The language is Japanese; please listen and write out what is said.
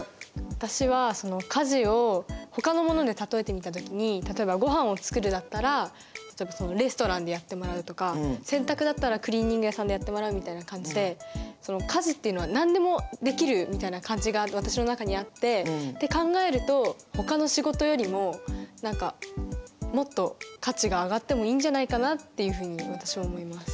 私は家事をほかのもので例えてみた時に例えばごはんを作るだったらレストランでやってもらうとか洗濯だったらクリーニング屋さんでやってもらうみたいな感じで家事っていうのは何でもできるみたいな感じが私の中にあってって考えるとほかの仕事よりも何かもっと価値が上がってもいいんじゃないかなっていうふうに私は思います。